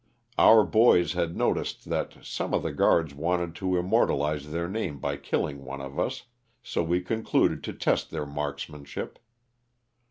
Our boys had noticed that some of the guards wanted to immortalize their name by killing one of us, so we concluded to test their marksmanship.